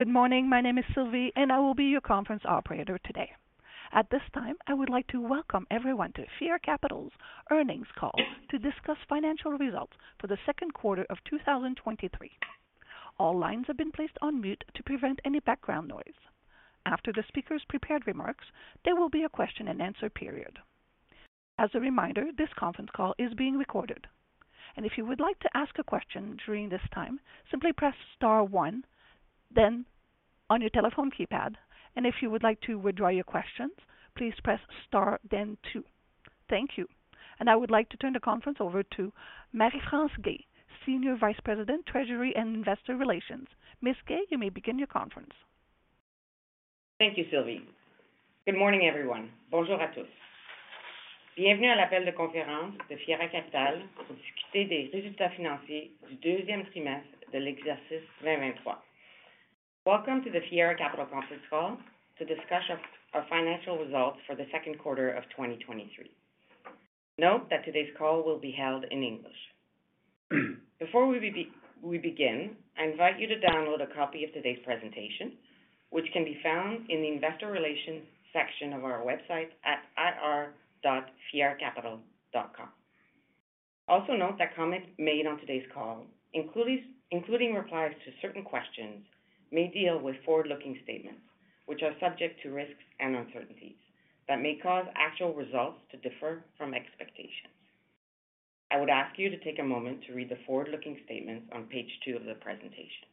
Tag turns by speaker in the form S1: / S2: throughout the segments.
S1: Good morning. My name is Sylvie, I will be your conference operator today. At this time, I would like to welcome everyone to Fiera Capital's earnings call to discuss financial results for the second quarter of 2023. All lines have been placed on mute to prevent any background noise. After the speaker's prepared remarks, there will be a question and answer period. As a reminder, this conference call is being recorded, and if you would like to ask a question during this time, simply press star one, then on your telephone keypad, and if you would like to withdraw your questions, please press star two. Thank you. I would like to turn the conference over to Marie-France Guay, Senior Vice President, Treasury and Investor Relations. Ms. Guay, you may begin your conference.
S2: Thank you, Sylvie. Good morning, everyone. Bonjour, à tous. Bienvenue à l'appel de conférence de Fiera Capital, pour discuter des résultats financiers du deuxième trimestre de l'exercice 2023. Welcome to the Fiera Capital conference call to discuss our financial results for the second quarter of 2023. Note that today's call will be held in English. Before we begin, I invite you to download a copy of today's presentation, which can be found in the Investor Relations section of our website at ir.fieracapital.com. Also, note that comments made on today's call, including replies to certain questions, may deal with forward-looking statements, which are subject to risks and uncertainties that may cause actual results to differ from expectations. I would ask you to take a moment to read the forward-looking statements on page two of the presentation.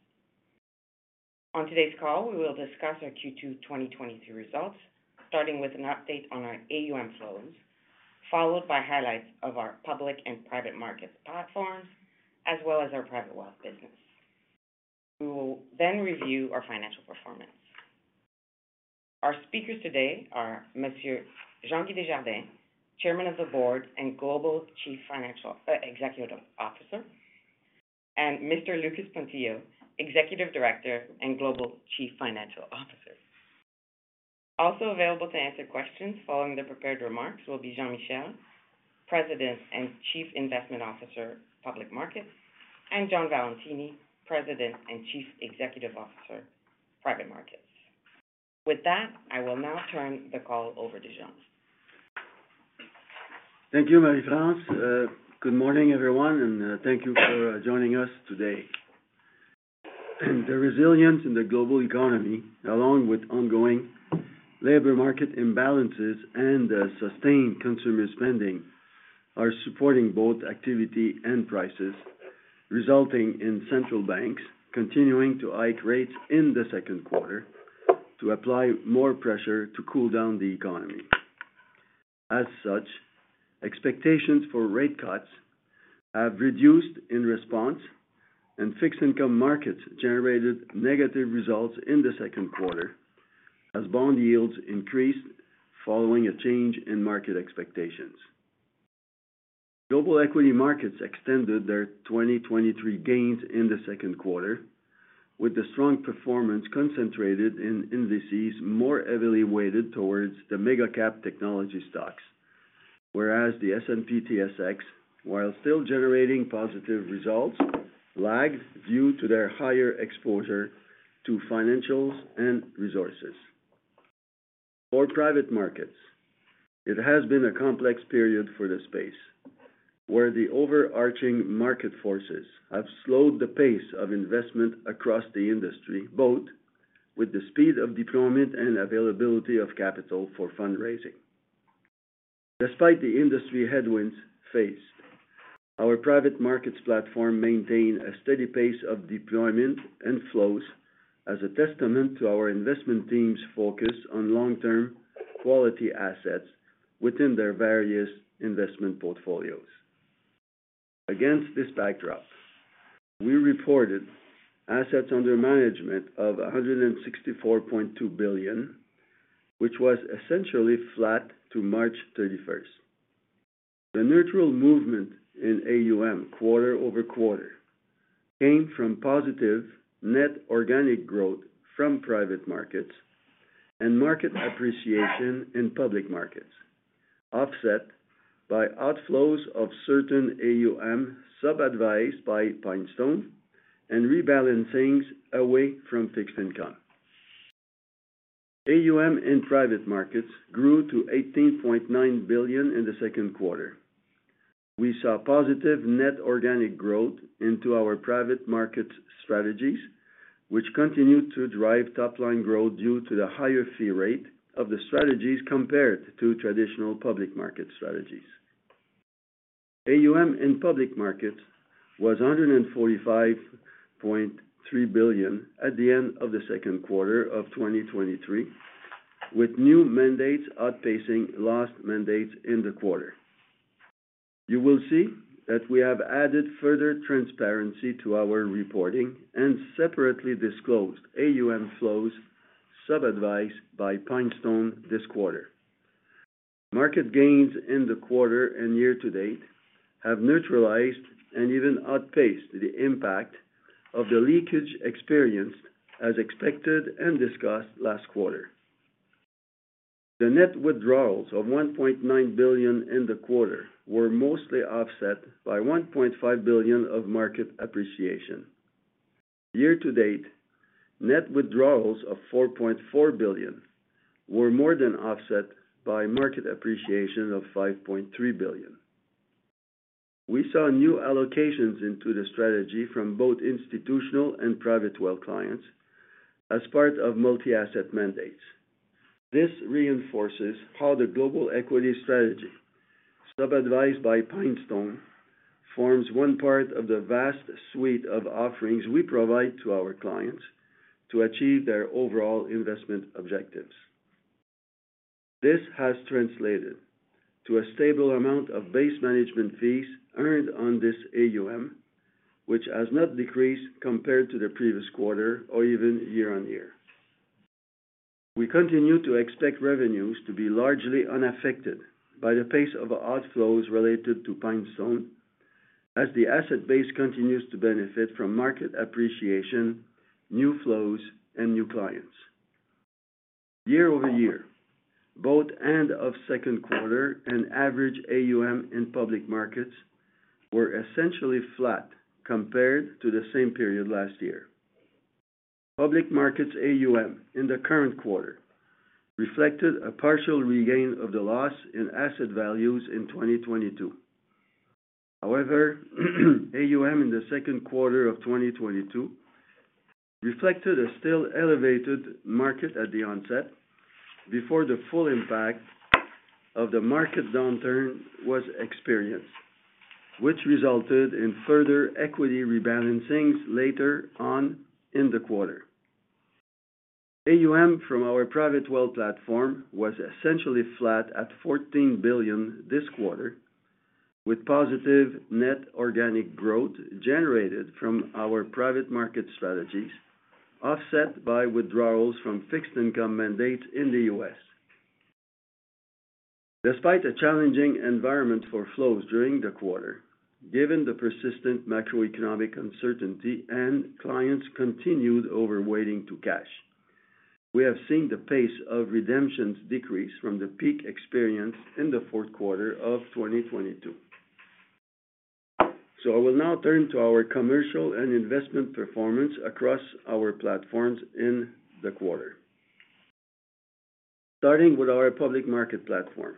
S2: On today's call, we will discuss our Q2 2023 results, starting with an update on our AUM flows, followed by highlights of our public and private markets platforms, as well as our private wealth business. We will then review our financial performance. Our speakers today are Monsieur Jean-Guy Desjardins, Chairman of the Board and Global Chief Executive Officer, and Mr. Lucas Pontillo, Executive Director and Global Chief Financial Officer. Also available to answer questions following the prepared remarks will be Jean Michel, President and Chief Investment Officer, Public Markets, and John Valentini, President and Chief Executive Officer, Private Markets. With that, I will now turn the call over to Jean.
S3: Thank you, Marie-France. Good morning, everyone, and thank you for joining us today. The resilience in the global economy, along with ongoing labor market imbalances and sustained consumer spending, are supporting both activity and prices, resulting in central banks continuing to hike rates in the Q2 to apply more pressure to cool down the economy. As such, expectations for rate cuts have reduced in response, and fixed income markets generated negative results in the Q2 as bond yields increased, following a change in market expectations. Global equity markets extended their 2023 gains in the Q2, with the strong performance concentrated in indices more heavily weighted towards the mega-cap technology stocks, whereas the S&P/TSX, while still generating positive results, lagged due to their higher exposure to financials and resources. For private markets, it has been a complex period for the space, where the overarching market forces have slowed the pace of investment across the industry, both with the speed of deployment and availability of capital for fundraising. Despite the industry headwinds faced, our private markets platform maintained a steady pace of deployment and flows as a testament to our investment team's focus on long-term quality assets within their various investment portfolios. Against this backdrop, we reported assets under management of 164.2 billion, which was essentially flat to March 31st. The neutral movement in AUM quarter-over-quarter came from positive net organic growth from private markets and market appreciation in public markets, offset by outflows of certain AUM sub-advised by PineStone and rebalancing away from fixed income. AUM in private markets grew to 18.9 billion in Q2. We saw positive net organic growth into our private markets strategies, which continued to drive top-line growth due to the higher fee rate of the strategies compared to traditional public market strategies. AUM in public markets was 145.3 billion at the end of the second quarter of 2023, with new mandates outpacing lost mandates in the quarter. You will see that we have added further transparency to our reporting and separately disclosed AUM flows sub-advised by PineStone this quarter. Market gains in the quarter and year to date have neutralized and even outpaced the impact of the leakage experienced, as expected and discussed last quarter. The net withdrawals of 1.9 billion in the quarter were mostly offset by 1.5 billion of market appreciation. Year to date, net withdrawals of $4.4 billion were more than offset by market appreciation of $5.3 billion. We saw new allocations into the strategy from both institutional and private wealth clients as part of multi-asset mandates. This reinforces how the global equity strategy, sub-advised by PineStone, forms one part of the vast suite of offerings we provide to our clients to achieve their overall investment objectives. This has translated to a stable amount of base management fees earned on this AUM, which has not decreased compared to the previous quarter or even year-over-year. We continue to expect revenues to be largely unaffected by the pace of outflows related to PineStone, as the asset base continues to benefit from market appreciation, new flows, and new clients. Year-over-year, both end of second quarter and average AUM in public markets were essentially flat compared to the same period last year. Public markets AUM in the current quarter reflected a partial regain of the loss in asset values in 2022. However, AUM in the second quarter of 2022 reflected a still elevated market at the onset before the full impact of the market downturn was experienced, which resulted in further equity rebalancing later on in the quarter. AUM from our private wealth platform was essentially flat at $14 billion this quarter, with positive net organic growth generated from our private market strategies, offset by withdrawals from fixed income mandates in the U.S. Despite a challenging environment for flows during the quarter, given the persistent macroeconomic uncertainty and clients continued overweighting to cash, we have seen the pace of redemptions decrease from the peak experienced in the fourth quarter of 2022. I will now turn to our commercial and investment performance across our platforms in the quarter. Starting with our public market platform,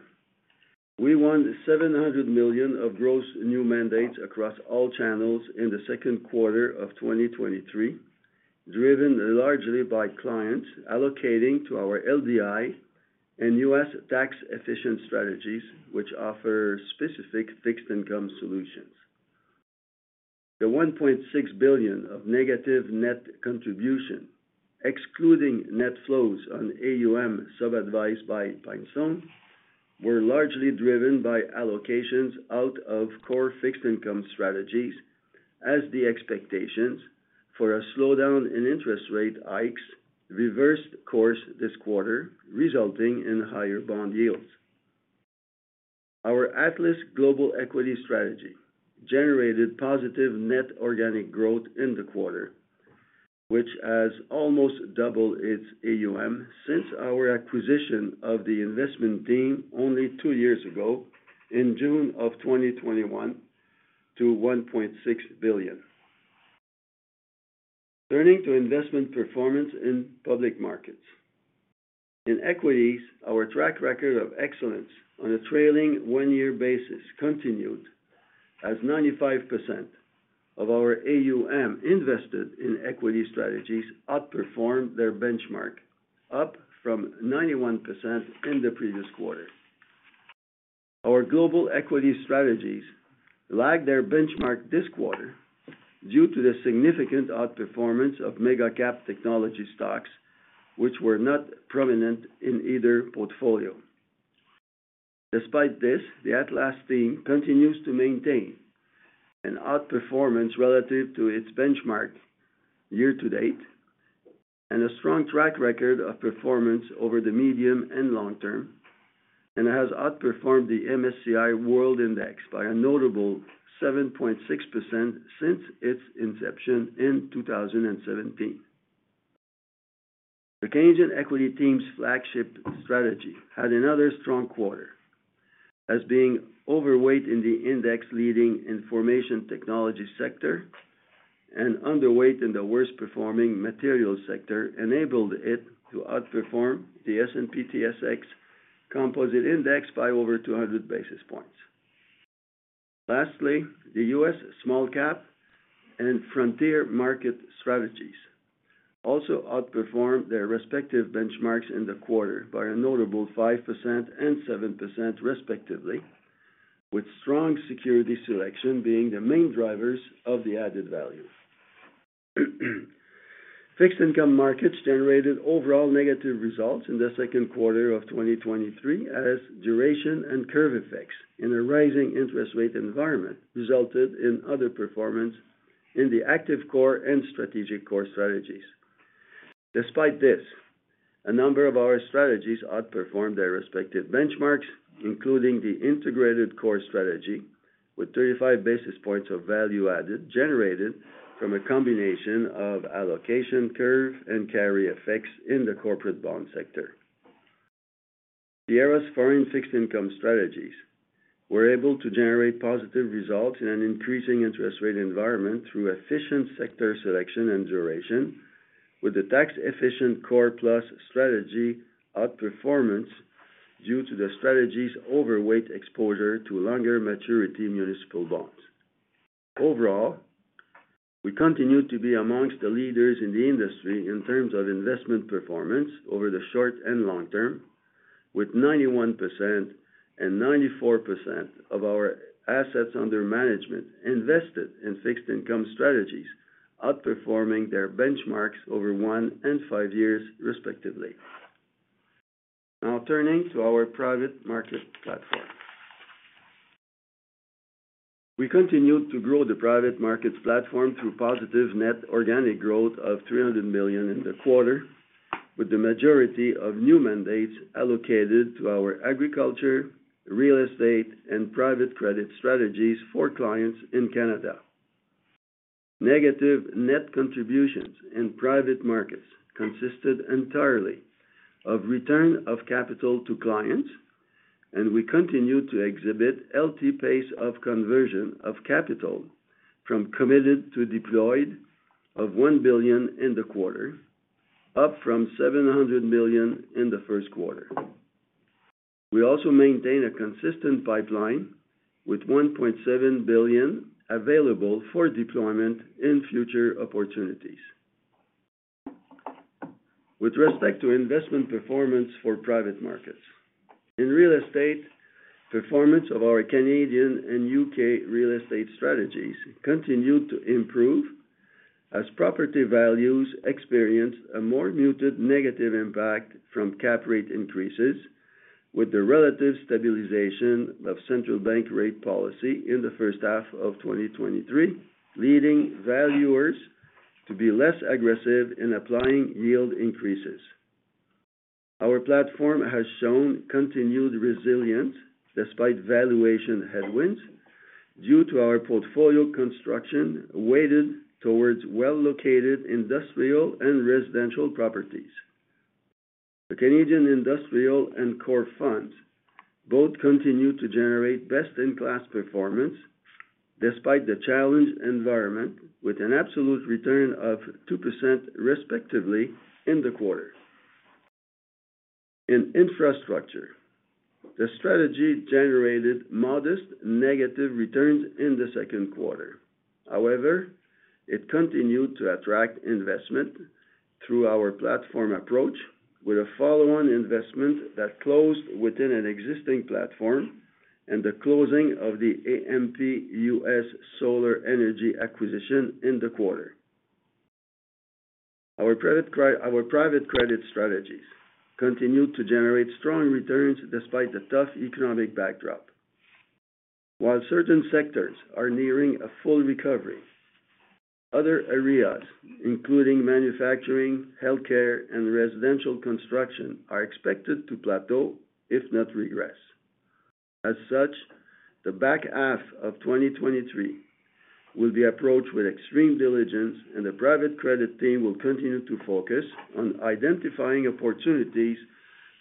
S3: we won 700 million of gross new mandates across all channels in the second quarter of 2023, driven largely by clients allocating to our LDI and US tax-efficient strategies, which offer specific fixed income solutions. The 1.6 billion of negative net contribution, excluding net flows on AUM sub-advised by PineStone, were largely driven by allocations out of core fixed income strategies, as the expectations for a slowdown in interest rate hikes reversed course this quarter, resulting in higher bond yields. Our Atlas Global Equity strategy generated positive net organic growth in the quarter, which has almost doubled its AUM since our acquisition of the investment team only two years ago, in June of 2021, to $1.6 billion. Turning to investment performance in public markets. In equities, our track record of excellence on a trailing one year basis continued, as 95% of our AUM invested in equity strategies outperformed their benchmark, up from 91% in the previous quarter. Our global equity strategies lagged their benchmark this quarter due to the significant outperformance of mega-cap technology stocks, which were not prominent in either portfolio. Despite this, the Atlas team continues to maintain an outperformance relative to its benchmark year to date, and a strong track record of performance over the medium and long term, and has outperformed the MSCI World Index by a notable 7.6% since its inception in 2017. The Canadian equity team's flagship strategy had another strong quarter, as being overweight in the index leading information technology sector and underweight in the worst performing materials sector, enabled it to outperform the S&P/TSX Composite Index by over 200 basis points. Lastly, the U.S. small cap and frontier market strategies also outperformed their respective benchmarks in the quarter by a notable 5% and 7% respectively, with strong security selection being the main drivers of the added value. Fixed income markets generated overall negative results in the second quarter of 2023, as duration and curve effects in a rising interest rate environment resulted in other performance in the active core and strategic core strategies. Despite this, a number of our strategies outperformed their respective benchmarks, including the integrated core strategy. with 35 basis points of value added, generated from a combination of allocation, curve, and carry effects in the corporate bond sector. Fiera's foreign fixed income strategies were able to generate positive results in an increasing interest rate environment through efficient sector selection and duration, with the tax-efficient core plus strategy outperformance due to the strategy's overweight exposure to longer maturity municipal bonds. Overall, we continue to be amongst the leaders in the industry in terms of investment performance over the short and long term, with 91% and 94% of our assets under management invested in fixed income strategies, outperforming their benchmarks over one and five years, respectively. Turning to our private market platform. We continued to grow the private markets platform through positive net organic growth of $300 million in the quarter, with the majority of new mandates allocated to our agriculture, real estate, and private credit strategies for clients in Canada. Negative net contributions in private markets consisted entirely of return of capital to clients. We continue to exhibit healthy pace of conversion of capital from committed to deployed of $1 billion in the quarter, up from $700 million in the first quarter. We also maintain a consistent pipeline with 1.7 billion available for deployment in future opportunities. With respect to investment performance for private markets. In real estate, performance of our Canadian and U.K. real estate strategies continued to improve as property values experienced a more muted negative impact from cap rate increases, with the relative stabilization of central bank rate policy in the first half of 2023, leading valuers to be less aggressive in applying yield increases. Our platform has shown continued resilience despite valuation headwinds, due to our portfolio construction weighted towards well-located industrial and residential properties. The Canadian Industrial and Core funds both continue to generate best-in-class performance despite the challenged environment, with an absolute return of 2%, respectively, in the quarter. In infrastructure, the strategy generated modest negative returns in the second quarter. However, it continued to attract investment through our platform approach, with a follow-on investment that closed within an existing platform and the closing of the AMP US Solar Energy acquisition in the quarter. Our private credit strategies continued to generate strong returns despite the tough economic backdrop. While certain sectors are nearing a full recovery, other areas, including manufacturing, healthcare, and residential construction, are expected to plateau, if not regress. As such, the back half of 2023 will be approached with extreme diligence. The private credit team will continue to focus on identifying opportunities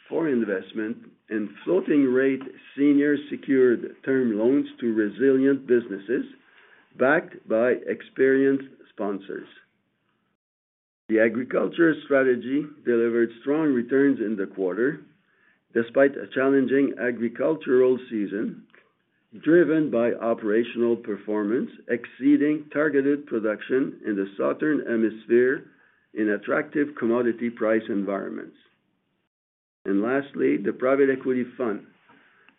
S3: for investment in floating rate, senior secured term loans to resilient businesses, backed by experienced sponsors. The agriculture strategy delivered strong returns in the quarter, despite a challenging agricultural season, driven by operational performance exceeding targeted production in the southern hemisphere in attractive commodity price environments. Lastly, the private equity fund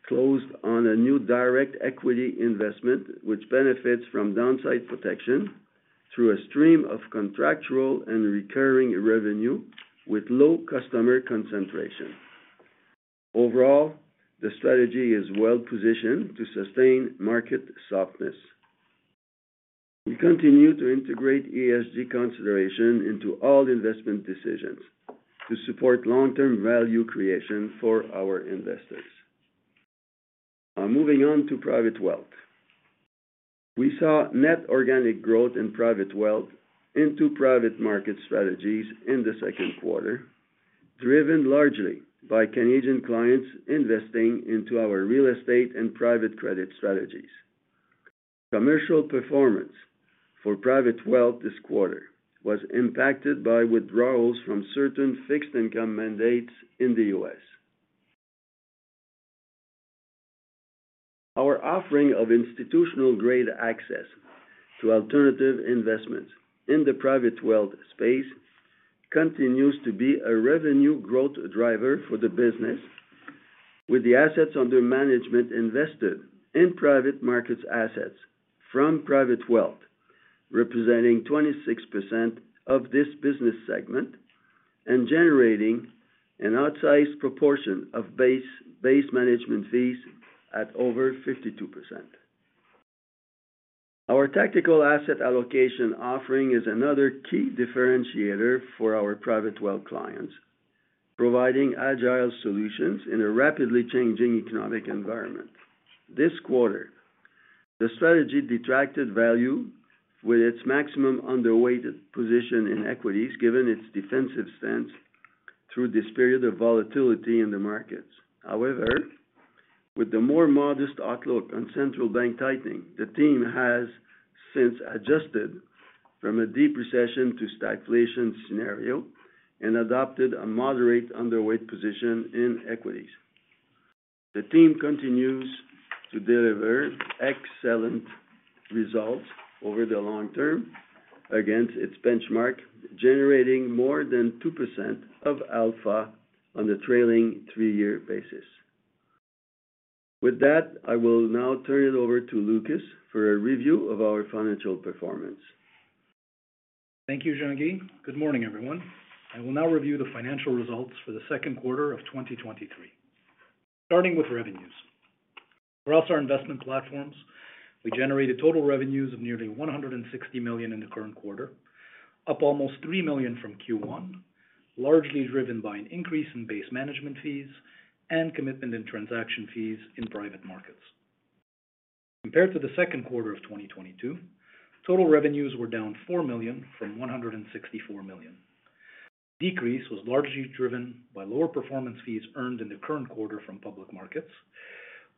S3: closed on a new direct equity investment, which benefits from downside protection through a stream of contractual and recurring revenue with low customer concentration. Overall, the strategy is well positioned to sustain market softness. We continue to integrate ESG consideration into all investment decisions to support long-term value creation for our investors. Now, moving on to private wealth. We saw net organic growth in private wealth into private market strategies in the second quarter, driven largely by Canadian clients investing into our real estate and private credit strategies. Commercial performance for private wealth this quarter was impacted by withdrawals from certain fixed income mandates in the U.S. Our offering of institutional-grade access to alternative investments in the private wealth space continues to be a revenue growth driver for the business, with the assets under management invested in private markets assets from private wealth, representing 26% of this business segment and generating an outsized proportion of base, base management fees at over 52%. Our tactical asset allocation offering is another key differentiator for our private wealth clients, providing agile solutions in a rapidly changing economic environment. This quarter, the strategy detracted value with its maximum underweighted position in equities, given its defensive stance through this period of volatility in the markets. However, with the more modest outlook on central bank tightening, the team has since adjusted from a deep recession to stagflation scenario and adopted a moderate underweight position in equities. The team continues to deliver excellent results over the long term against its benchmark, generating more than 2% of alpha on the trailing three-year basis. With that, I will now turn it over to Lucas for a review of our financial performance.
S4: Thank you, Jean-Guy. Good morning, everyone. I will now review the financial results for Q2 2023. Starting with revenues. Across our investment platforms, we generated total revenues of nearly $160 million in the current quarter, up almost $3 million from Q1, largely driven by an increase in base management fees and commitment in transaction fees in private markets. Compared to Q2 2022, total revenues were down $4 million from $164 million. Decrease was largely driven by lower performance fees earned in the current quarter from public markets.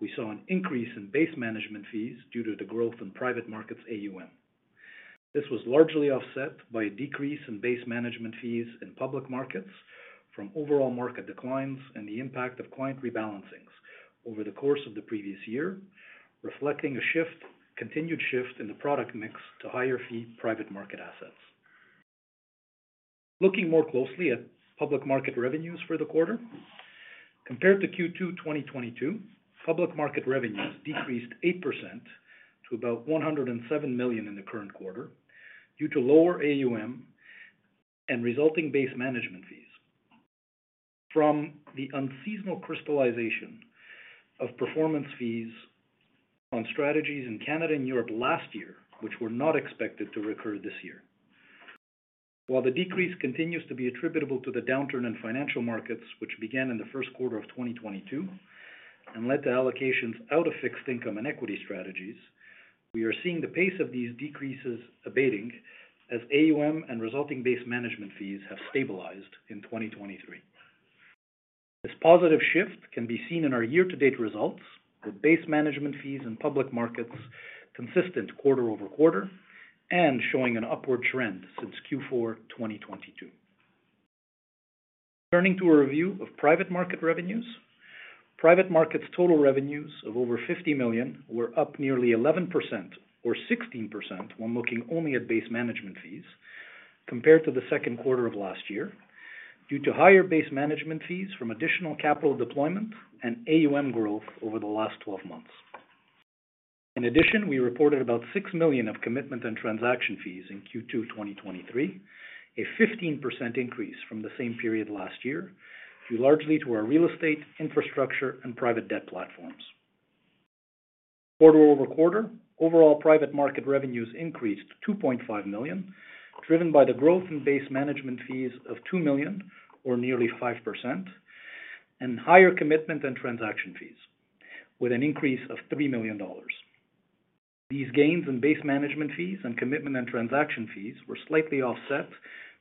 S4: We saw an increase in base management fees due to the growth in private markets AUM. This was largely offset by a decrease in base management fees in public markets from overall market declines and the impact of client rebalancings over the course of the previous year, reflecting a continued shift in the product mix to higher fee private market assets. Looking more closely at public market revenues for the quarter. Compared to Q2 2022, public market revenues decreased 8% to about 107 million in the current quarter, due to lower AUM and resulting base management fees from the unseasonal crystallization of performance fees on strategies in Canada and Europe last year, which were not expected to recur this year. While the decrease continues to be attributable to the downturn in financial markets, which began in Q1 2022 and led to allocations out of fixed income and equity strategies, we are seeing the pace of these decreases abating as AUM and resulting base management fees have stabilized in 2023. This positive shift can be seen in our year-to-date results, with base management fees in public markets consistent quarter-over-quarter and showing an upward trend since Q4 2022. Turning to a review of private market revenues. Private markets' total revenues of over 50 million were up nearly 11% or 16% when looking only at base management fees compared to the Q2 of last year, due to higher base management fees from additional capital deployment and AUM growth over the last 12 months. In addition, we reported about 6 million of commitment and transaction fees in Q2 2023, a 15% increase from the same period last year, due largely to our real estate, infrastructure, and private debt platforms. quarter-over-quarter, overall private market revenues increased to 2.5 million, driven by the growth in base management fees of 2 million or nearly 5%, and higher commitment and transaction fees with an increase of 3 million dollars. These gains in base management fees and commitment and transaction fees were slightly offset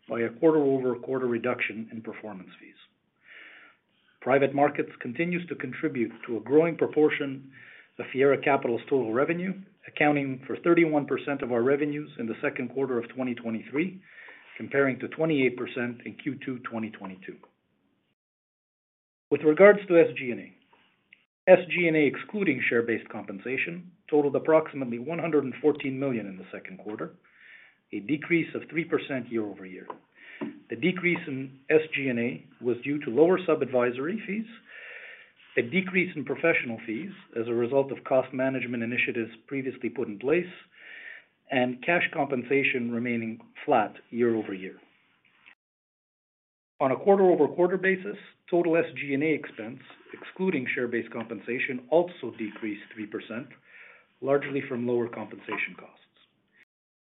S4: by a quarter-over-quarter reduction in performance fees. Private markets continues to contribute to a growing proportion of Fiera Capital's total revenue, accounting for 31% of our revenues in the second quarter of 2023, comparing to 28% in Q2 2022. With regards to SG&A. SG&A, excluding share-based compensation, totaled approximately $114 million in the second quarter, a decrease of 3% year-over-year. The decrease in SG&A was due to lower sub-advisory fees, a decrease in professional fees as a result of cost management initiatives previously put in place, and cash compensation remaining flat year-over-year. On a quarter-over-quarter basis, total SG&A expense, excluding share-based compensation, also decreased 3%, largely from lower compensation costs.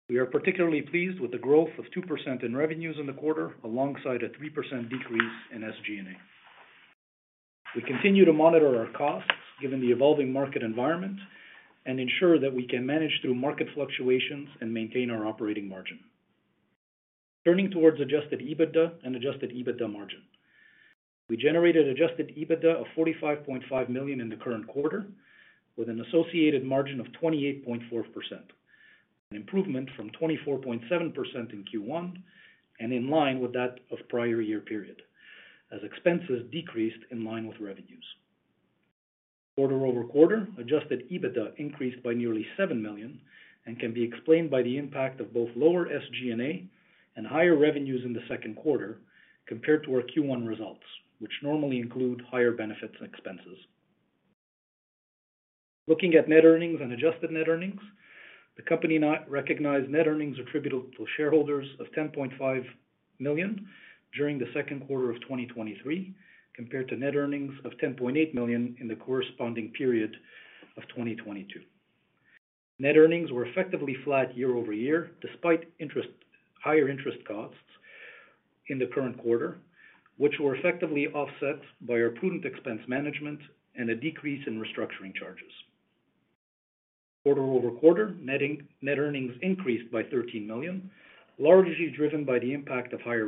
S4: We are particularly pleased with the growth of 2% in revenues in the quarter, alongside a 3% decrease in SG&A. We continue to monitor our costs given the evolving market environment and ensure that we can manage through market fluctuations and maintain our operating margin. Turning towards Adjusted EBITDA and Adjusted EBITDA margin. We generated Adjusted EBITDA of $45.5 million in the current quarter, with an associated margin of 28.4%, an improvement from 24.7% in Q1 and in line with that of prior-year period, as expenses decreased in line with revenues. Quarter-over-quarter, Adjusted EBITDA increased by nearly $7 million and can be explained by the impact of both lower SG&A and higher revenues in the second quarter compared to our Q1 results, which normally include higher benefits and expenses. Looking at net earnings and adjusted net earnings. The company now recognized net earnings attributable to shareholders of $10.5 million during the second quarter of 2023, compared to net earnings of $10.8 million in the corresponding period of 2022. Net earnings were effectively flat year-over-year, despite higher interest costs in the current quarter, which were effectively offset by our prudent expense management and a decrease in restructuring charges. Quarter-over-quarter, net earnings increased by $13 million, largely driven by the impact of higher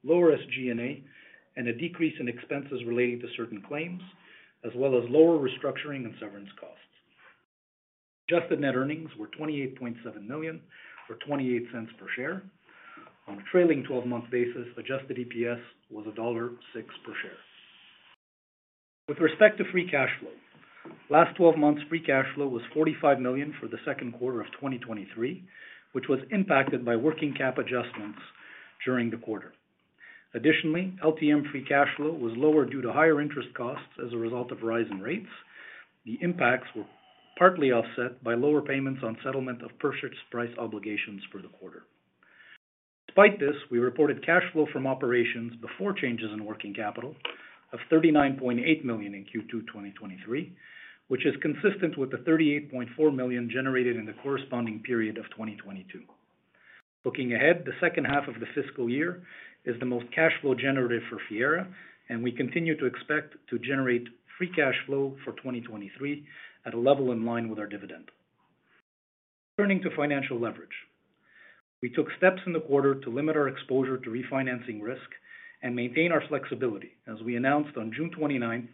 S4: revenues, lower SG&A, and a decrease in expenses relating to certain claims, as well as lower restructuring and severance costs. Adjusted net earnings were $28.7 million, or $0.28 per share. On a trailing 12-month basis, Adjusted EPS was $1.06 per share. With respect to free cash flow, last 12 months, free cash flow was $45 million for the second quarter of 2023, which was impacted by working cap adjustments during the quarter. Additionally, LTM free cash flow was lower due to higher interest costs as a result of rising rates. The impacts were partly offset by lower payments on settlement of purchase price obligations for the quarter. Despite this, we reported cash flow from operations before changes in working capital of 39.8 million in Q2, 2023, which is consistent with the 38.4 million generated in the corresponding period of 2022. Looking ahead, the second half of the fiscal year is the most cash flow generative for Fiera, and we continue to expect to generate free cash flow for 2023 at a level in line with our dividend. Turning to financial leverage. We took steps in the quarter to limit our exposure to refinancing risk and maintain our flexibility. As we announced on June 29th,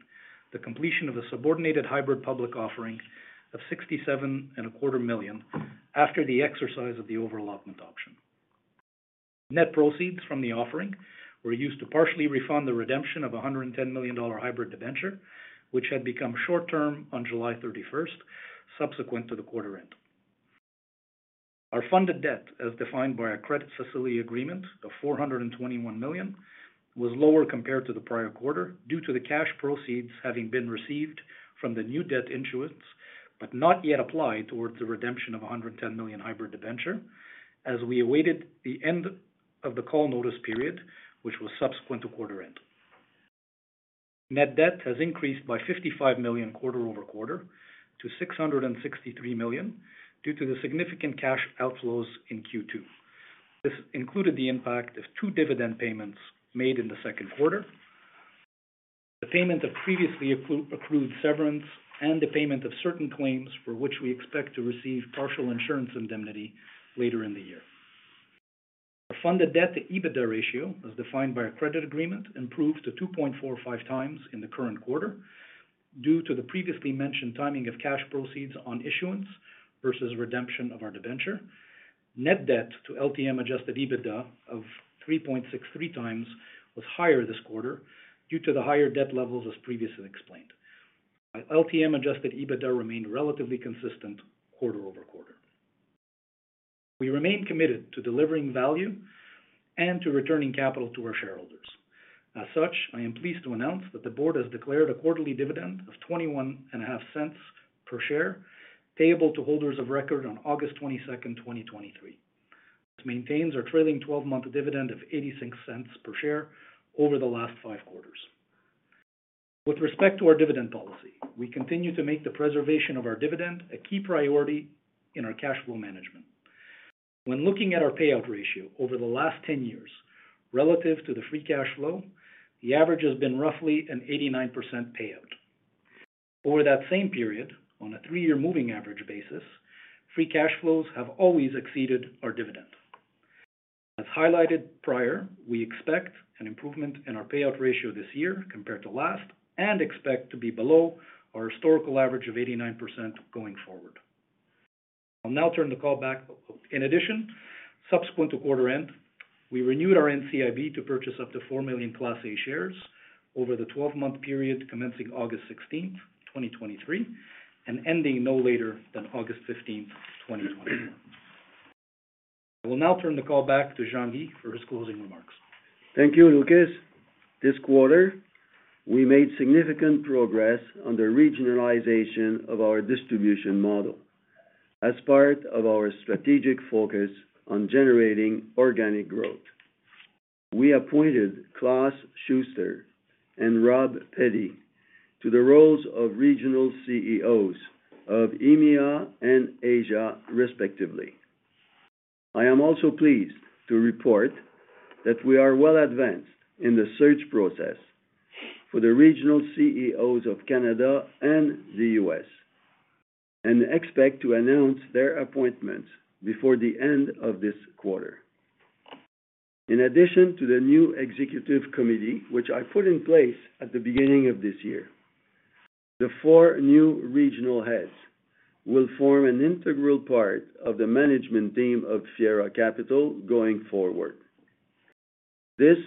S4: the completion of a subordinated hybrid public offering of 67.25 million after the exercise of the over allotment option. Net proceeds from the offering were used to partially refund the redemption of a $110 million hybrid debenture, which had become short-term on July 31st, subsequent to the quarter end. Our funded debt, as defined by our credit facility agreement of $421 million, was lower compared to the prior quarter due to the cash proceeds having been received from the new debt issuance, but not yet applied towards the redemption of a $110 million hybrid debenture, as we awaited the end of the call notice period, which was subsequent to quarter end. Net debt has increased by $55 million quarter-over-quarter to $663 million due to the significant cash outflows in Q2. This included the impact of two dividend payments made in the second quarter, the payment of previously accrued severance, and the payment of certain claims for which we expect to receive partial insurance indemnity later in the year. Our funded debt to EBITDA ratio, as defined by our credit agreement, improved to 2.45 times in the current quarter due to the previously mentioned timing of cash proceeds on issuance versus redemption of our debenture. Net debt to LTM Adjusted EBITDA of 3.63 times was higher this quarter due to the higher debt levels, as previously explained. LTM Adjusted EBITDA remained relatively consistent quarter-over-quarter. We remain committed to delivering value and to returning capital to our shareholders. As such, I am pleased to announce that the board has declared a quarterly dividend of 0.215 per share, payable to holders of record on August 22nd, 2023. This maintains our trailing 12 month dividend of 0.86 per share over the last five quarters. With respect to our dividend policy, we continue to make the preservation of our dividend a key priority in our cash flow management. When looking at our payout ratio over the last 10 years relative to the free cash flow, the average has been roughly an 89% payout. Over that same period, on a three year moving average basis, free cash flows have always exceeded our dividend. As highlighted prior, we expect an improvement in our payout ratio this year compared to last, and expect to be below our historical average of 89% going forward. In addition, subsequent to quarter end, we renewed our NCIB to purchase up to 4 million Class A shares over the 12-month period commencing August 16th, 2023, and ending no later than August 15th, 2024. I will now turn the call back to Jean-Guy for his closing remarks.
S3: Thank you, Lucas. This quarter, we made significant progress on the regionalization of our distribution model as part of our strategic focus on generating organic growth. We appointed Klaus Schuster and Rob Petty to the roles of regional CEOs of EMEA and Asia, respectively. I am also pleased to report that we are well advanced in the search process for the regional CEOs of Canada and the U.S., and expect to announce their appointments before the end of this quarter. In addition to the new executive committee, which I put in place at the beginning of this year, the four new regional heads will form an integral part of the management team of Fiera Capital going forward. This,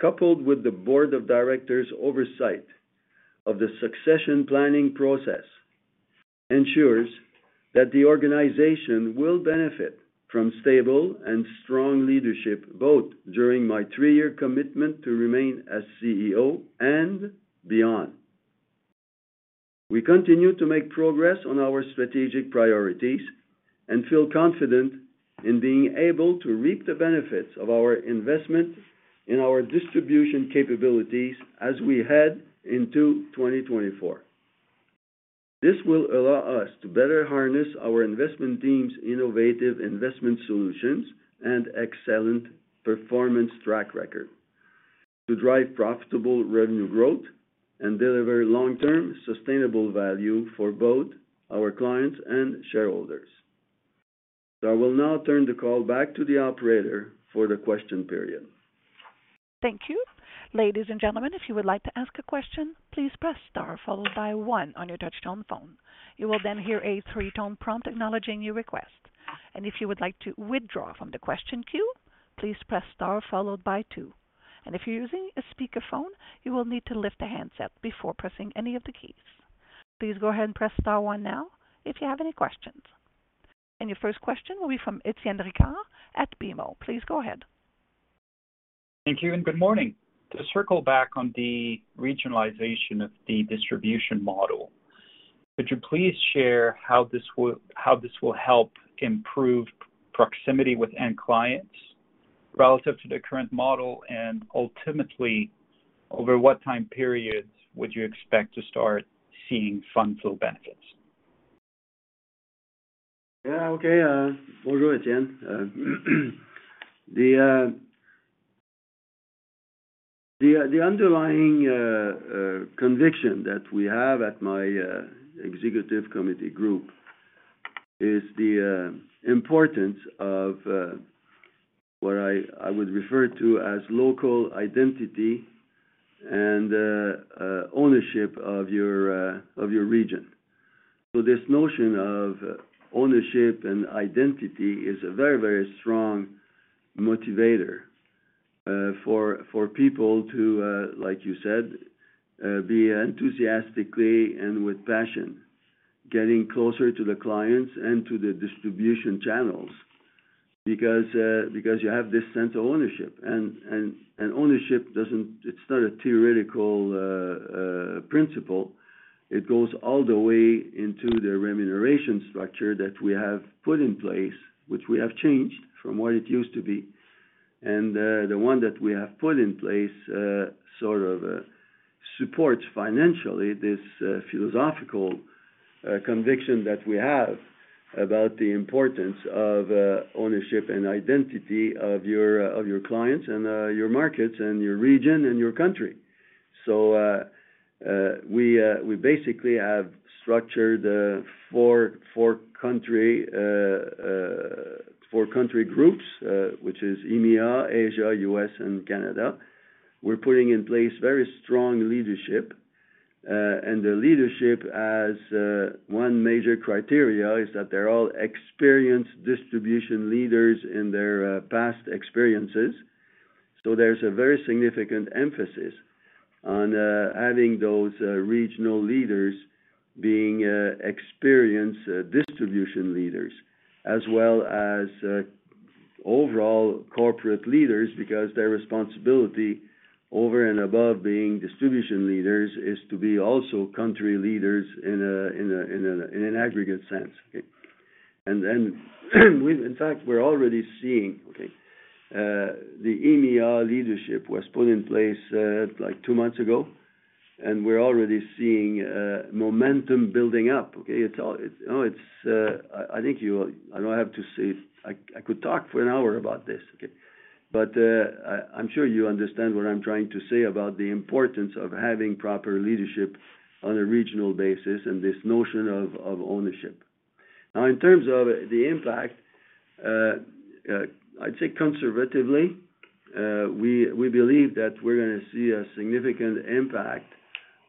S3: coupled with the board of directors' oversight of the succession planning process, ensures that the organization will benefit from stable and strong leadership, both during my three-year commitment to remain as CEO and beyond. We continue to make progress on our strategic priorities and feel confident in being able to reap the benefits of our investment in our distribution capabilities as we head into 2024. This will allow us to better harness our investment team's innovative investment solutions and excellent performance track record, to drive profitable revenue growth and deliver long-term sustainable value for both our clients and shareholders. I will now turn the call back to the operator for the question period.
S1: Thank you. Ladies and gentlemen, if you would like to ask a question, please press star followed by one on your touchtone phone. You will then hear a three tone prompt acknowledging your request. If you would like to withdraw from the question queue, please press star followed by two. If you're using a speakerphone, you will need to lift the handset before pressing any of the keys. Please go ahead and press star one now, if you have any questions. Your first question will be from Étienne Ricard at BMO. Please go ahead.
S5: Thank you, and good morning. To circle back on the regionalization of the distribution model, could you please share how this will help improve proximity with end clients relative to the current model, and ultimately, over what time periods would you expect to start seeing fund flow benefits?
S3: Yeah, okay. Bonjour, Étienne. The underlying conviction that we have at my executive committee group is the importance of what I would refer to as local identity and ownership of your region. This notion of ownership and identity is a very, very strong motivator for people to, like you said, be enthusiastically and with passion, getting closer to the clients and to the distribution channels, because you have this sense of ownership. Ownership doesn't, it's not a theoretical principle. It goes all the way into the remuneration structure that we have put in place, which we have changed from what it used to be. The one that we have put in place, sort of, supports financially, this, philosophical, conviction that we have about the importance of, ownership and identity of your, of your clients and, your markets, and your region, and your country. We, we basically have structured, four, four country, four country groups, which is EMEA, Asia, U.S., and Canada. We're putting in place very strong leadership, and the leadership as, one major criteria, is that they're all experienced distribution leaders in their, past experiences. There's a very significant emphasis on having those regional leaders being experienced distribution leaders, as well as overall corporate leaders, because their responsibility, over and above being distribution leaders, is to be also country leaders in a, in a, in an aggregate sense. In fact, we're already seeing the EMEA leadership was put in place like two months ago, and we're already seeing momentum building up, okay? I don't have to say, I, I could talk for an hour about this, okay? I, I'm sure you understand what I'm trying to say about the importance of having proper leadership on a regional basis and this notion of, of ownership. Now, in terms of the impact, I'd say conservatively, we, we believe that we're gonna see a significant impact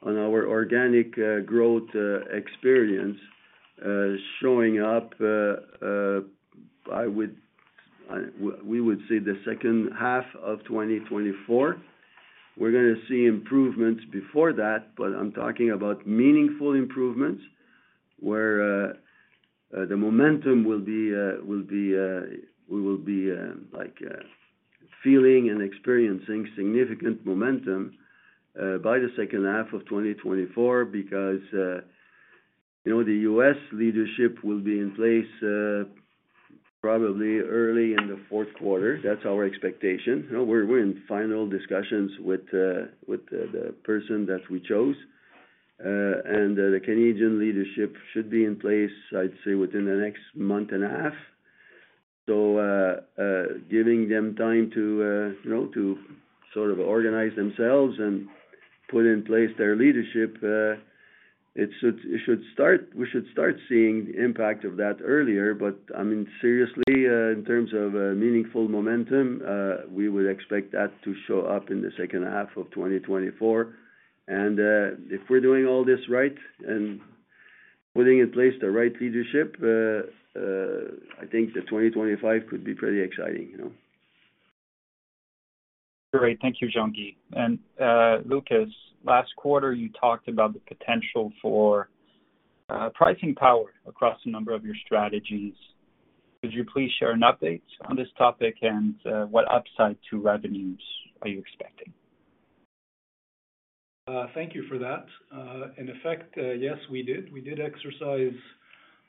S3: on our organic growth experience showing up, we would say the second half of 2024. We're gonna see improvements before that, but I'm talking about meaningful improvements, where the momentum will be, will be, we will be, like, feeling and experiencing significant momentum by the second half of 2024, because, you know, the U.S. leadership will be in place probably early in the fourth quarter. That's our expectation. You know, we're, we're in final discussions with the, the person that we chose. And the Canadian leadership should be in place, I'd say, within the next month and a half. Giving them time to, you know, to sort of organize themselves and put in place their leadership, we should start seeing the impact of that earlier. I mean, seriously, in terms of meaningful momentum, we would expect that to show up in the second half of 2024. If we're doing all this right and putting in place the right leadership, I think the 2025 could be pretty exciting, you know?
S5: Great. Thank you, Jean-Guy. Lucas, last quarter, you talked about the potential for, pricing power across a number of your strategies. Could you please share an update on this topic, and, what upside to revenues are you expecting?
S4: Thank you for that. In effect, yes, we did. We did exercise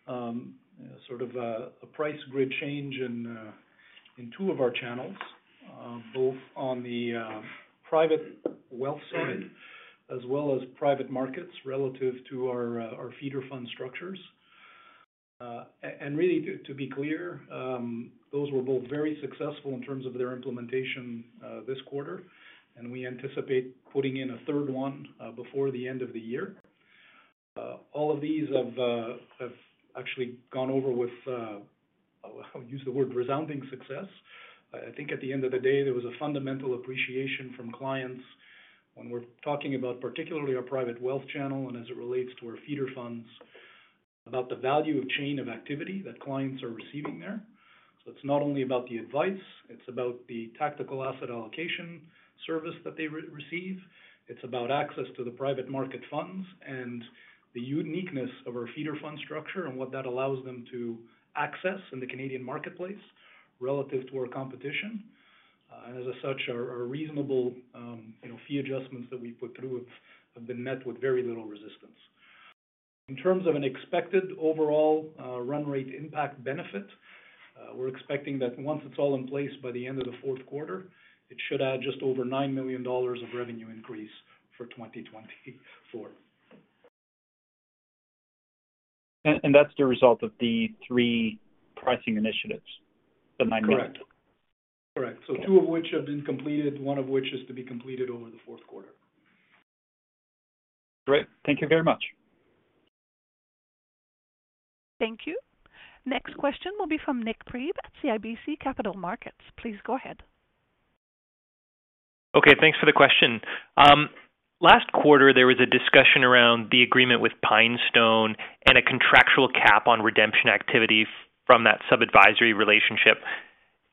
S4: a price grid change in two of our channels, both on the private wealth side as well as private markets relative to our feeder fund structures. Really, to be clear, those were both very successful in terms of their implementation this quarter, and we anticipate putting in a third one before the end of the year. All of these have actually gone over with, I'll use the word resounding success. I think at the end of the day, there was a fundamental appreciation from clients when we're talking about particularly our private wealth channel and as it relates to our feeder funds, about the value of chain of activity that clients are receiving there. It's not only about the advice, it's about the tactical asset allocation service that they re-receive. It's about access to the private market funds and the uniqueness of our feeder fund structure and what that allows them to access in the Canadian marketplace relative to our competition. As such, our, our reasonable, you know, fee adjustments that we put through have, have been met with very little resistance. In terms of an expected overall, run rate impact benefit, we're expecting that once it's all in place by the end of the fourth quarter, it should add just over $9 million of revenue increase for 2024.
S5: And that's the result of the three pricing initiatives, the $9 million?
S4: Correct. Correct.
S5: Okay.
S4: Two of which have been completed, one of which is to be completed over the Q4.
S5: Great. Thank you very much.
S1: Thank you. Next question will be from Nik Priebe at CIBC Capital Markets. Please go ahead.
S6: Okay, thanks for the question. Last quarter, there was a discussion around the agreement with PineStone and a contractual cap on redemption activity from that sub-advisory relationship.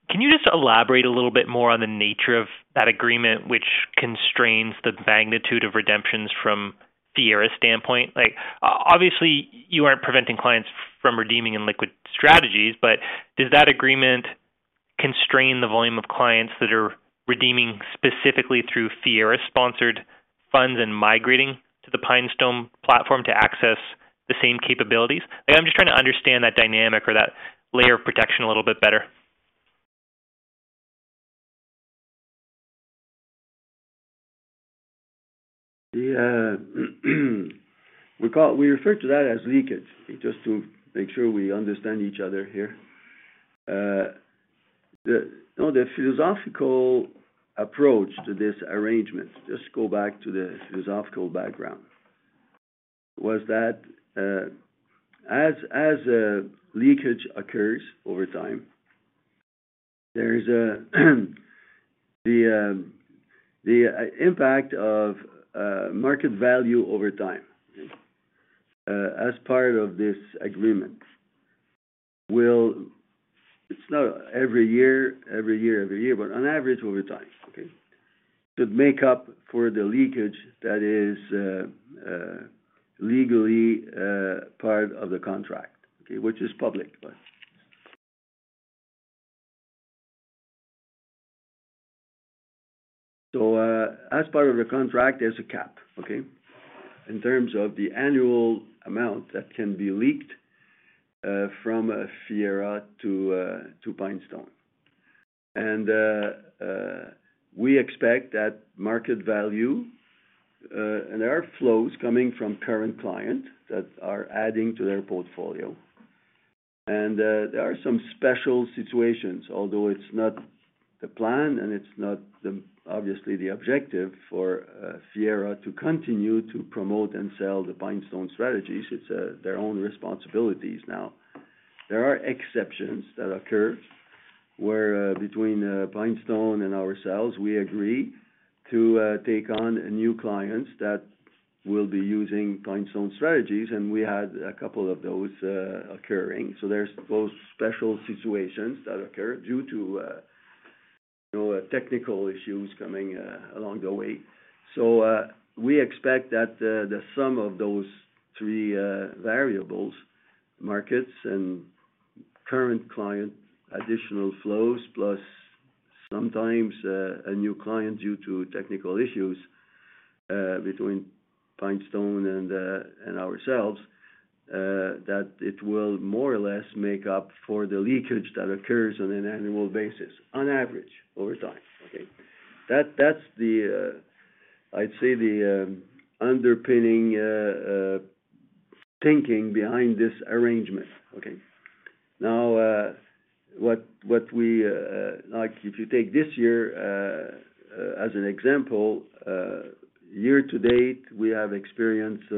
S6: Can you just elaborate a little bit more on the nature of that agreement, which constrains the magnitude of redemptions from Fiera's standpoint? Like, obviously, you aren't preventing clients from redeeming in liquid strategies, but does that agreement constrain the volume of clients that are redeeming specifically through Fiera's sponsored funds and migrating to the PineStone platform to access the same capabilities? I'm just trying to understand that dynamic or that layer of protection a little bit better.
S3: Yeah, we call, we refer to that as leakage, just to make sure we understand each other here. The, you know, the philosophical approach to this arrangement, just go back to the philosophical background, was that, as, as, leakage occurs over time, there is a, the, the impact of market value over time, as part of this agreement. Will, it's not every year, every year, every year, but on average, over time, okay? To make up for the leakage that is, legally, part of the contract, okay, which is public. As part of the contract, there's a cap, okay, in terms of the annual amount that can be leaked from Fiera to PineStone. We expect that market value, and there are flows coming from current clients that are adding to their portfolio. There are some special situations, although it's not the plan and it's not the, obviously, the objective for Fiera to continue to promote and sell the PineStone strategies. It's their own responsibilities now. There are exceptions that occur, where between PineStone and ourselves, we agree to take on new clients that will be using PineStone strategies, and we had a couple of those occurring. There's those special situations that occur due to, you know, technical issues coming along the way. We expect that the sum of those three variables, markets and current client additional flows, plus sometimes, a new client due to technical issues, between PineStone and ourselves, that it will more or less make up for the leakage that occurs on an annual basis, on average, over time, okay? That, that's the, I'd say, the underpinning thinking behind this arrangement, okay? Now, what we like if you take this year, as an example, year to date, we have experienced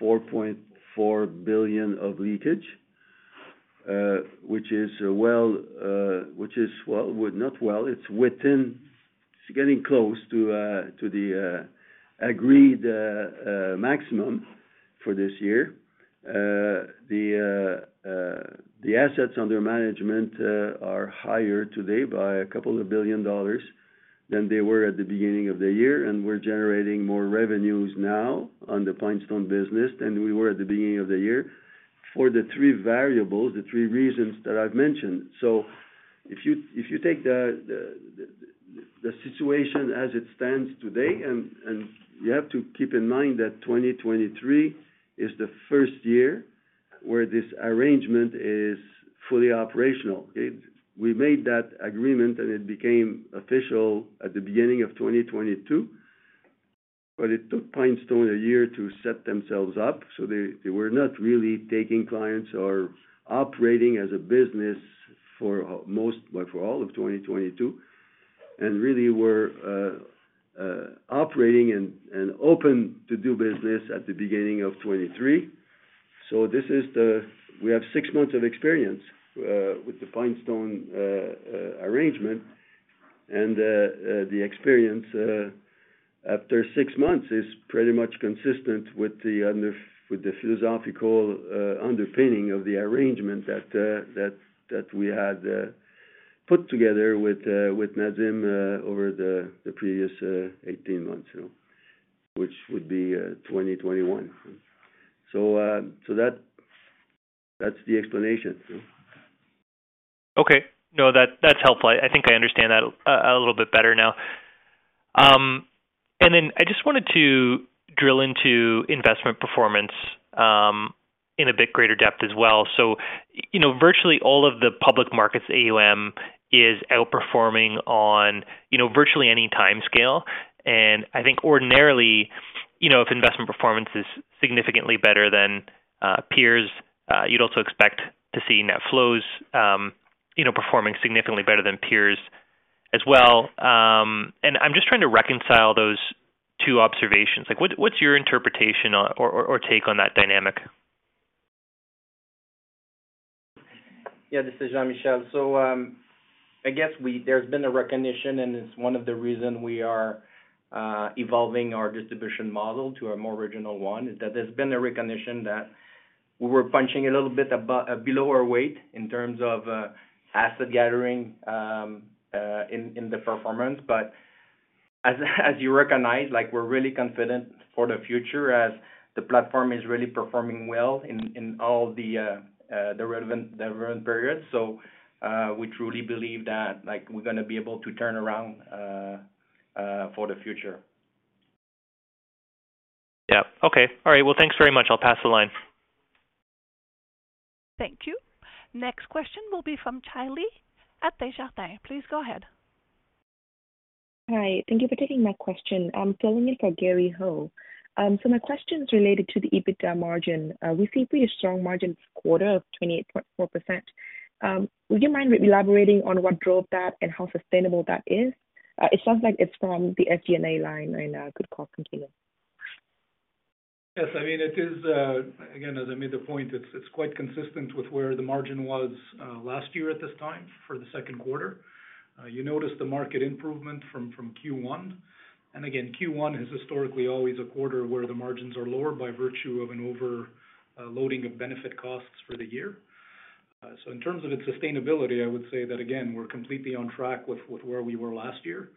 S3: 4.4 billion of leakage, which is well, which is well, well, not well, it's within, it's getting close to the agreed maximum for this year. Management are higher today by a couple of billion dollars than they were at the beginning of the year, and we're generating more revenues now on the PineStone business than we were at the beginning of the year for the three variables, the three reasons that I've mentioned. If you take the situation as it stands today, and you have to keep in mind that 2023 is the first year where this arrangement is fully operational We made that agreement, it became official at the beginning of 2022, it took PineStone a year to set themselves up, so they, they were not really taking clients or operating as a business for most, well, for all of 2022, really were operating and, and open to do business at the beginning of 2023. This is the, we have six months of experience with the PineStone arrangement, and the experience after six months is pretty much consistent with the under, with the philosophical underpinning of the arrangement that, that we had put together with Nadim over the previous 18 months, you know, which would be 2021. that's the explanation.
S6: Okay. No, that, that's helpful. I think I understand that a, a little bit better now. Then I just wanted to drill into investment performance in a bit greater depth as well. You know, virtually all of the public markets AUM is outperforming on, you know, virtually any time scale. I think ordinarily, you know, if investment performance is significantly better than peers, you'd also expect to see net flows, you know, performing significantly better than peers as well. I'm just trying to reconcile those two observations. Like, what, what's your interpretation on or, or, or take on that dynamic?
S7: Yeah, this is Jean-Michel. I guess we, there's been a recognition, and it's one of the reason we are evolving our distribution model to a more regional one, is that there's been a recognition that we were punching a little bit below our weight in terms of asset gathering in the performance. As, as you recognize, like, we're really confident for the future as the platform is really performing well in all the relevant, the relevant periods. We truly believe that, like, we're going to be able to turn around for the future.
S6: Yeah. Okay. All right, well, thanks very much. I'll pass the line.
S1: Thank you. Next question will be from Geoffrey Kwan at Desjardins. Please go ahead.
S8: Hi, thank you for taking my question. I'm filling in for Gary Ho. My question is related to the EBITDA margin. We see pretty strong margin this quarter of 28.4%. Would you mind elaborating on what drove that and how sustainable that is? It sounds like it's from the FDNA line and good call continue.
S4: Yes, I mean, it is, again, as I made the point, it's, it's quite consistent with where the margin was, last year at this time for the second quarter. You notice the market improvement from, from Q1. Again, Q1 is historically always a quarter where the margins are lower by virtue of an over, loading of benefit costs for the year. In terms of its sustainability, I would say that, again, we're completely on track with, with where we were last year.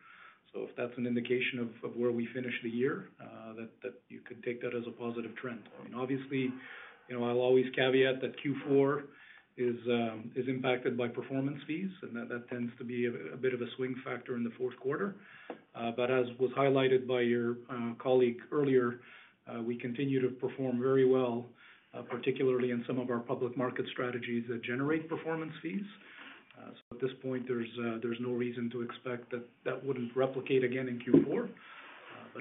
S4: If that's an indication of, of where we finish the year, that, that you could take that as a positive trend. I mean, obviously, you know, I'll always caveat that Q4 is, is impacted by performance fees, and that tends to be a, a bit of a swing factor in the fourth quarter. As was highlighted by your colleague earlier, we continue to perform very well, particularly in some of our public market strategies that generate performance fees. At this point, there's no reason to expect that that wouldn't replicate again in Q4.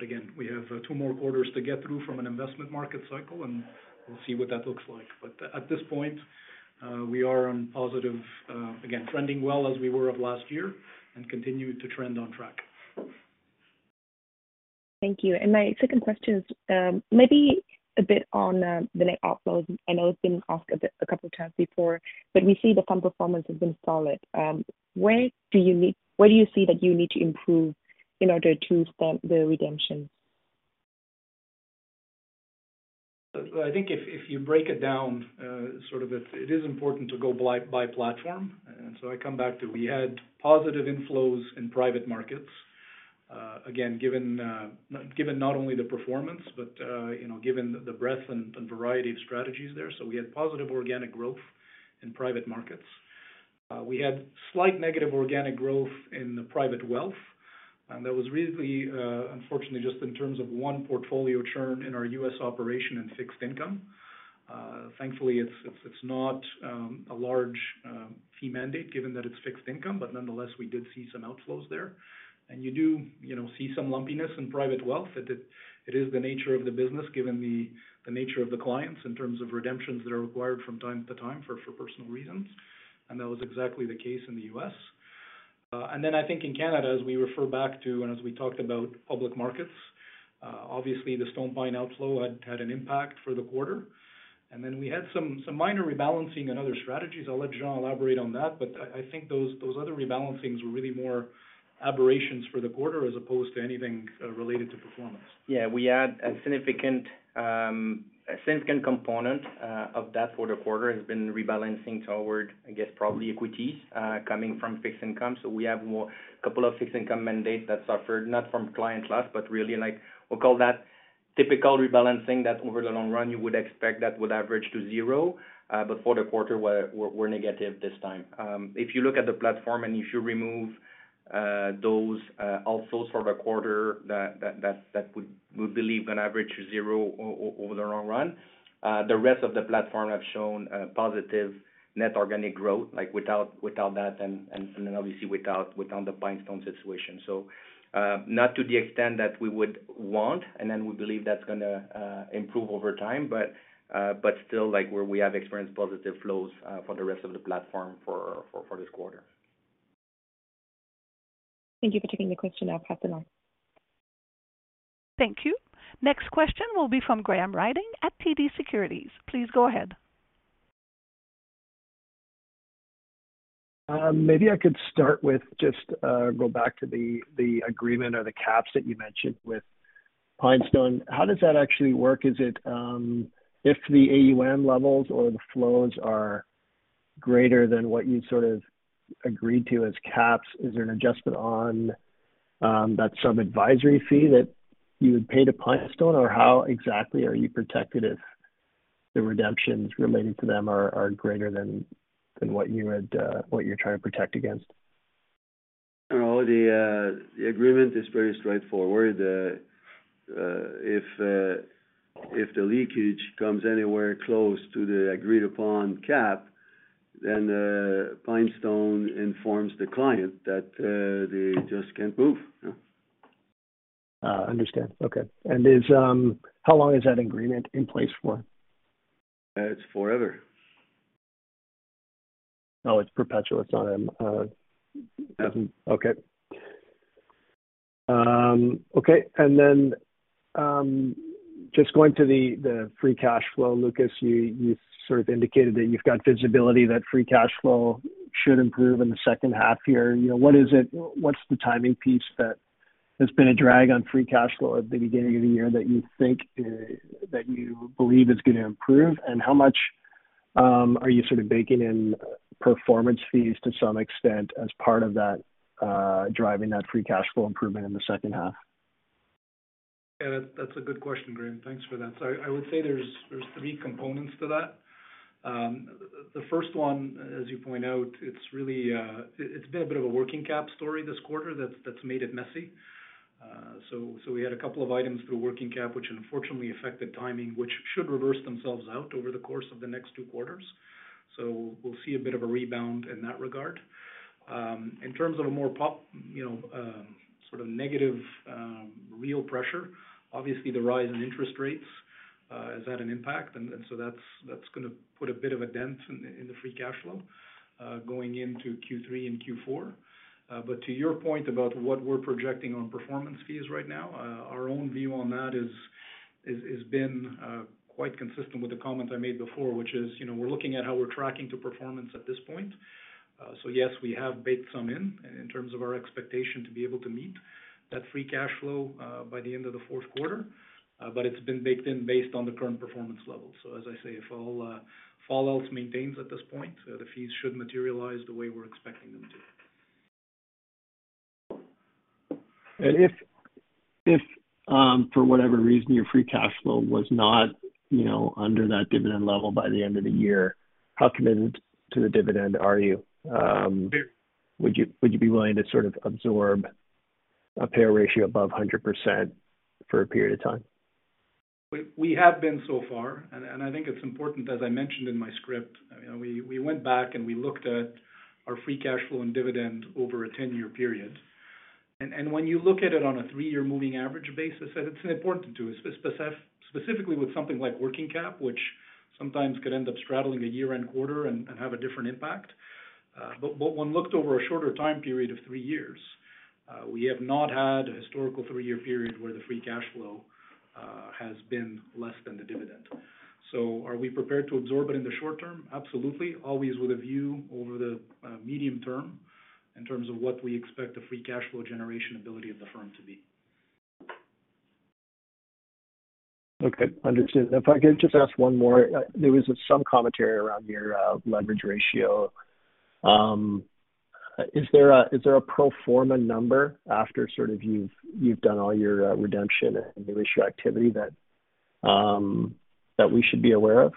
S4: Again, we have two more quarters to get through from an investment market cycle, and we'll see what that looks like. At this point, we are on positive, again, trending well as we were of last year and continue to trend on track.
S8: Thank you. My second question is, maybe a bit on, the net outflows. I know it's been asked a bit a couple of times before, but we see the fund performance has been solid. Where do you need-- where do you see that you need to improve in order to stop the redemptions?
S4: I think if, if you break it down, sort of, it, it is important to go by, by platform. I come back to, we had positive inflows in private markets, again, given not only the performance, but, you know, given the breadth and, and variety of strategies there. We had positive organic growth in private markets. We had slight negative organic growth in the private wealth. That was really, unfortunately, just in terms of one portfolio churn in our U.S. operation and fixed income. Thankfully, it's, it's, it's not a large fee mandate given that it's fixed income, but nonetheless, we did see some outflows there. You do, you know, see some lumpiness in private wealth. It is the nature of the business, given the nature of the clients in terms of redemptions that are required from time to time for personal reasons, that was exactly the case in the U.S. Then I think in Canada, as we refer back to and as we talked about public markets, obviously, the PineStone outflow had an impact for the quarter. Then we had some minor rebalancing and other strategies. I'll let Jean elaborate on that, but I think those other rebalancings were really more aberrations for the quarter as opposed to anything related to performance.
S7: Yeah, we had a significant, a significant component, of that for the quarter has been rebalancing toward, I guess, probably equities, coming from fixed income. We have couple of fixed income mandates that suffered, not from client loss, but really like we'll call that typical rebalancing that over the long run, you would expect that would average to zero. For the quarter, we're, we're negative this time. If you look at the platform, if you remove those also for the quarter, that, that, that would, we believe, going to average to zero over the long run. The rest of the platform have shown positive net organic growth, like, without, without that, and then obviously without, without the PineStone situation. Not to the extent that we would want, and then we believe that's gonna improve over time. But still, like, where we have experienced positive flows, for the rest of the platform for, for, for this quarter.
S8: Thank you for taking the question. I'll pass it on.
S1: Thank you. Next question will be from Graham Ryding at TD Securities. Please go ahead.
S9: Maybe I could start with just, go back to the, the agreement or the caps that you mentioned with PineStone. How does that actually work? Is it, if the AUM levels or the flows are greater than what you sort of agreed to as caps, is there an adjustment on, that some advisory fee that you would pay to PineStone? How exactly are you protected if the redemptions relating to them are, are greater than, than what you had, what you're trying to protect against?
S3: No, the, the agreement is very straightforward. If, if the leakage comes anywhere close to the agreed-upon cap, then, PineStone informs the client that, they just can't move.
S9: Understand. Okay. How long is that agreement in place for?
S3: It's forever.
S9: Oh, it's perpetual, it's not.
S3: Yes.
S9: Okay. Just going to the free cash flow, Lucas, you, you sort of indicated that you've got visibility, that free cash flow should improve in the second half year. You know, What's the timing piece that has been a drag on free cash flow at the beginning of the year that you think that you believe is going to improve? How much are you sort of baking in performance fees to some extent as part of that driving that free cash flow improvement in the second half?
S4: Yeah, that's a good question, Graham. Thanks for that. I would say there's, there's three components to that. The first one, as you point out, it's really, it's been a bit of a working cap story this quarter that's, that's made it messy. We had a couple of items through working cap, which unfortunately affected timing, which should reverse themselves out over the course of the next two quarters. We'll see a bit of a rebound in that regard. In terms of a more pop, you know, sort of negative, real pressure, obviously, the rise in interest rates has had an impact. So that's, that's gonna put a bit of a dent in, in the free cash flow going into Q3 and Q4. To your point about what we're projecting on performance fees right now, our own view on that is, is, has been, quite consistent with the comments I made before, which is, you know, we're looking at how we're tracking to performance at this point. Yes, we have baked some in, in terms of our expectation to be able to meet that free cash flow, by the end of the fourth quarter. It's been baked in based on the current performance level. As I say, if all, if all else maintains at this point, the fees should materialize the way we're expecting them to.
S9: If, if, for whatever reason, your free cash flow was not, you know, under that dividend level by the end of the year, how committed to the dividend are you? Would you, would you be willing to sort of absorb a pay ratio above 100% for a period of time?
S4: We have been so far, I think it's important, as I mentioned in my script, you know, we went back and we looked at our free cash flow and dividend over a 10-year period. When you look at it on a three year moving average basis, it's important to, specifically with something like working cap, which sometimes could end up straddling a year-end quarter and have a different impact. When looked over a shorter time period of three years, we have not had a historical three year period where the free cash flow has been less than the dividend. Are we prepared to absorb it in the short term? Absolutely. Always with a view over the medium term, in terms of what we expect the free cash flow generation ability of the firm to be.
S9: Okay, understood. If I could just ask one more. There was some commentary around your leverage ratio. Is there a pro forma number after sort of you've done all your redemption and the ratio activity that we should be aware of?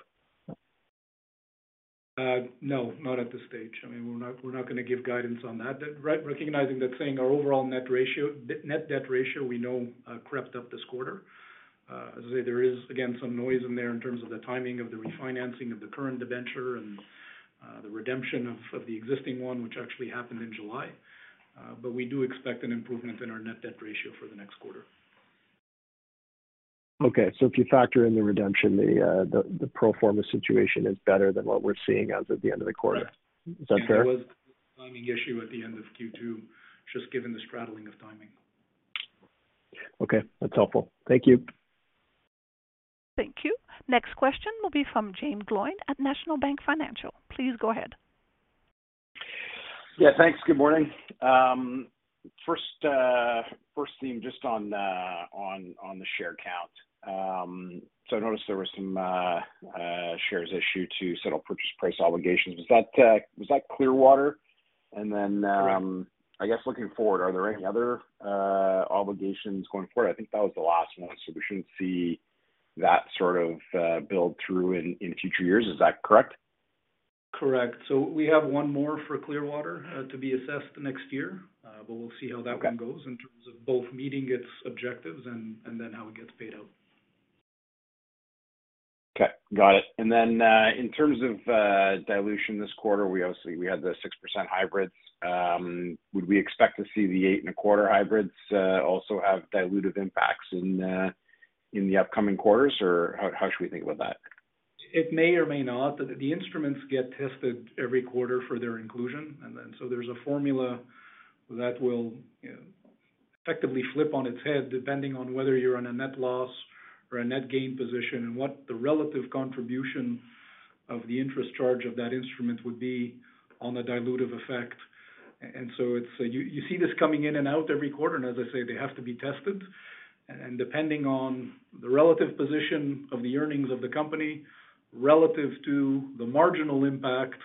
S4: No, not at this stage. I mean, we're not, we're not going to give guidance on that. Re-recognizing that, saying our overall net ratio, net debt ratio, we know, crept up this quarter. As I say, there is, again, some noise in there in terms of the timing of the refinancing of the current debenture and, the redemption of the existing one, which actually happened in July. We do expect an improvement in our net debt ratio for the next quarter.
S9: Okay. If you factor in the redemption, the, the pro forma situation is better than what we're seeing as of the end of the quarter.
S4: Right.
S9: Is that fair?
S4: There was a timing issue at the end of Q2, just given the straddling of timing.
S9: Okay, that's helpful. Thank you.
S1: Thank you. Next question will be from Jaimee Gloyn at National Bank Financial. Please go ahead.
S10: Yeah, thanks. Good morning. First theme, just on the share count. I noticed there was some shares issued to settle purchase price obligations. Was that, was that Clearwater? Then, I guess looking forward, are there any other obligations going forward? I think that was the last one, so we shouldn't see that sort of build through in, in future years. Is that correct?
S4: Correct. We have one more for Clearwater to be assessed next year. We'll see how that one goes in terms of both meeting its objectives and then how it gets paid out.
S10: Okay, got it. In terms of dilution this quarter, we obviously we had the 6% hybrids. Would we expect to see the 8.25 hybrids, also have dilutive impacts in the upcoming quarters, or how, how should we think about that?
S4: It may or may not. The instruments get tested every quarter for their inclusion, there's a formula that will effectively flip on its head, depending on whether you're on a net loss or a net gain position, and what the relative contribution of the interest charge of that instrument would be on the dilutive effect. It's, you see this coming in and out every quarter, and as I say, they have to be tested. Depending on the relative position of the earnings of the company, relative to the marginal impact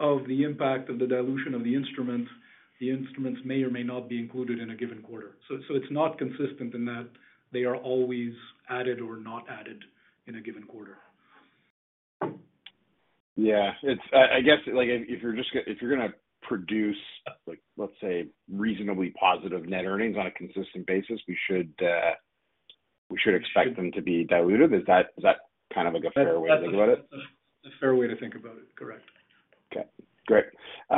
S4: of the impact of the dilution of the instrument, the instruments may or may not be included in a given quarter. It's not consistent in that they are always added or not added in a given quarter.
S10: Yeah, it's I guess, like, if you're just, if you're gonna produce, like, let's say, reasonably positive net earnings on a consistent basis, we should, we should expect them to be dilutive. Is that, is that kind of, like, a fair way to think about it?
S4: A fair way to think about it. Correct.
S10: Okay, great.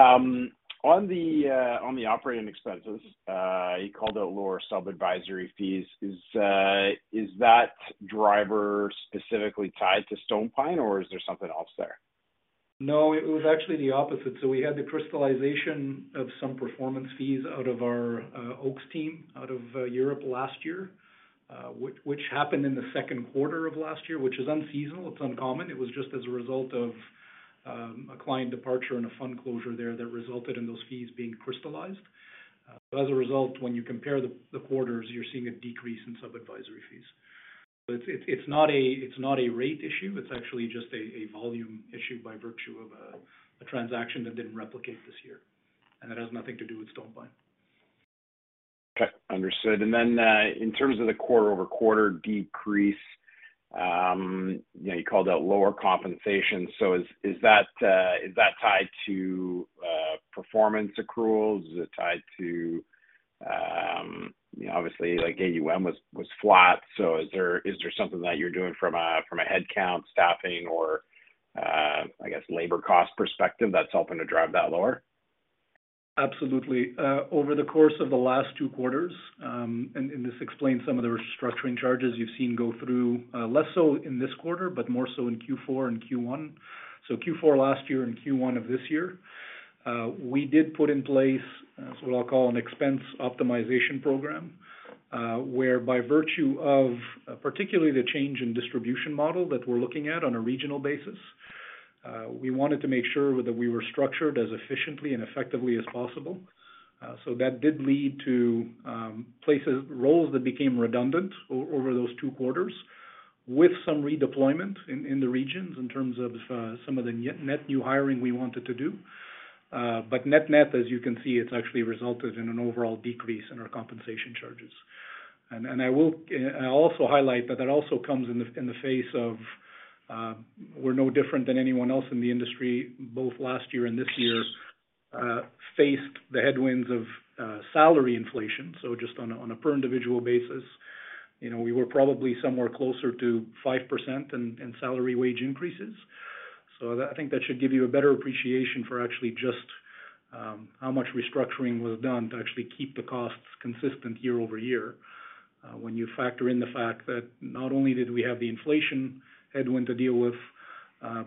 S10: On the, on the operating expenses, you called out lower sub-advisory fees. Is, is that driver specifically tied to PineStone, or is there something else there?
S4: No, it was actually the opposite. We had the crystallization of some performance fees out of our OAKS team out of Europe last year, which, which happened in the second quarter of last year, which is unseasonal. It's uncommon. It was just as a result of a client departure and a fund closure there that resulted in those fees being crystallized. As a result, when you compare the quarters, you're seeing a decrease in sub-advisory fees. It's, it's not a, it's not a rate issue, it's actually just a volume issue by virtue of a transaction that didn't replicate this year, and that has nothing to do with PineStone.
S10: Okay, understood. In terms of the quarter-over-quarter decrease, you know, you called out lower compensation. Is, is that, is that tied to performance accruals? Is it tied to, you know, obviously, like AUM was, was flat, so is there, is there something that you're doing from a, from a headcount, staffing, or, I guess, labor cost perspective that's helping to drive that lower?
S4: Absolutely. Over the course of the last two quarters, and, and this explains some of the restructuring charges you've seen go through, less so in this quarter, but more so in Q4 and Q1. Q4 last year and Q1 of this year, we did put in place what I'll call an expense optimization program, where by virtue of particularly the change in distribution model that we're looking at on a regional basis, we wanted to make sure that we were structured as efficiently and effectively as possible. That did lead to places, roles that became redundant over those two quarters, with some redeployment in, in the regions in terms of some of the net, net new hiring we wanted to do. But net, net, as you can see, it's actually resulted in an overall decrease in our compensation charges. I will, I'll also highlight that that also comes in the, in the face of, we're no different than anyone else in the industry, both last year and this year, faced the headwinds of, salary inflation. just on a, on a per individual basis, you know, we were probably somewhere closer to 5% in, in salary wage increases. I think that should give you a better appreciation for actually just, how much restructuring was done to actually keep the costs consistent year-over-year, when you factor in the fact that not only did we have the inflation headwind to deal with,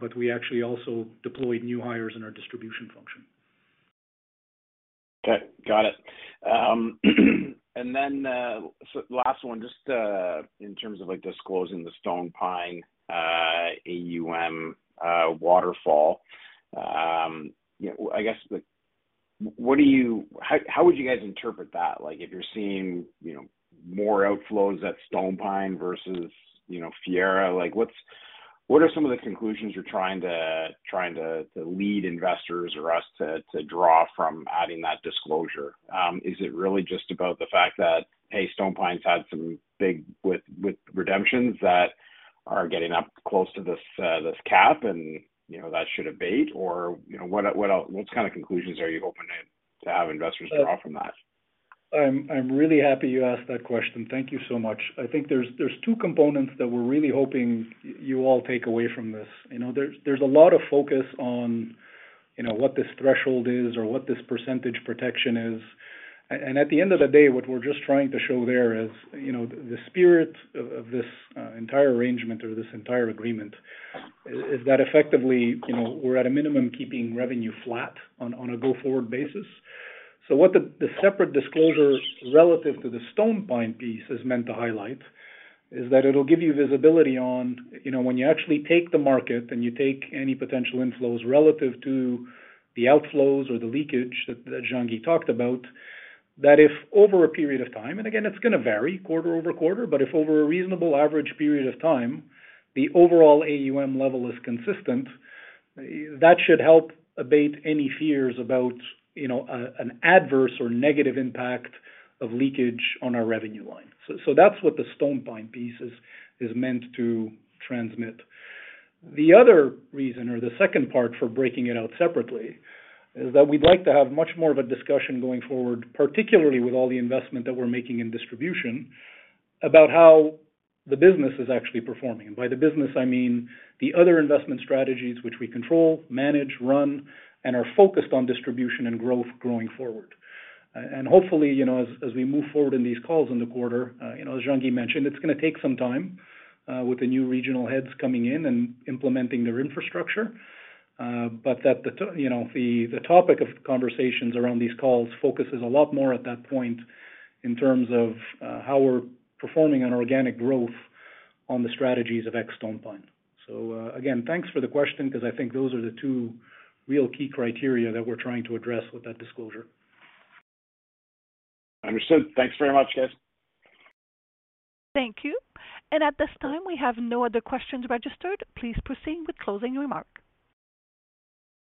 S4: but we actually also deployed new hires in our distribution function.
S10: Okay, got it. Then, so last one, just, in terms of, like, disclosing the PineStone, AUM, waterfall, you know, I guess, like, what do you, how, how would you guys interpret that? Like, if you're seeing, you know, more outflows at PineStone versus, you know, Fiera, like, what's, what are some of the conclusions you're trying to, trying to, to lead investors or us to, to draw from adding that disclosure? Is it really just about the fact that, hey, PineStone's had some big with, with redemptions that are getting up close to this, this cap, and, you know, that should abate? Or, you know, what, what else, what kind of conclusions are you hoping to, to have investors draw from that?
S4: I'm, I'm really happy you asked that question. Thank you so much. I think there's, there's two components that we're really hoping you all take away from this. You know, there's, there's a lot of focus on, you know, what this threshold is or what this percentage protection is. At the end of the day, what we're just trying to show there is, you know, the spirit of, of this entire arrangement or this entire agreement is, is that effectively, you know, we're at a minimum keeping revenue flat on, on a go-forward basis. What the, the separate disclosure relative to the PineStone piece is meant to highlight, is that it'll give you visibility on, you know, when you actually take the market and you take any potential inflows relative to the outflows or the leakage that, that Jean-Guy talked about, that if over a period of time, and again, it's going to vary quarter over quarter, but if over a reasonable average period of time, the overall AUM level is consistent, that should help abate any fears about, you know, an adverse or negative impact of leakage on our revenue line. That's what the PineStone piece is, is meant to transmit. The other reason, or the second part for breaking it out separately, is that we'd like to have much more of a discussion going forward, particularly with all the investment that we're making in distribution, about how the business is actually performing. And by the business, I mean the other investment strategies which we control, manage, run, and are focused on distribution and growth going forward. And hopefully, you know, as, as we move forward in these calls in the quarter, you know, as Jean-Guy mentioned, it's going to take some time with the new regional heads coming in and implementing their infrastructure. But that the you know, the, the topic of conversations around these calls focuses a lot more at that point in terms of how we're performing on organic growth on the strategies of ex-PineStone. Again, thanks for the question, because I think those are the two real key criteria that we're trying to address with that disclosure.
S10: Understood. Thanks very much, guys.
S1: Thank you. At this time, we have no other questions registered. Please proceed with closing remark.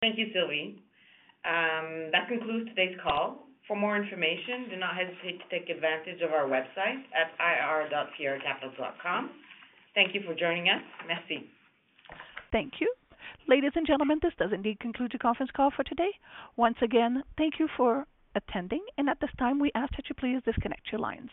S2: Thank you, Sylvie. That concludes today's call. For more information, do not hesitate to take advantage of our website at ir.fieracapital.com. Thank you for joining us. Merci.
S1: Thank you. Ladies and gentlemen, this does indeed conclude the conference call for today. Once again, thank you for attending, and at this time, we ask that you please disconnect your lines.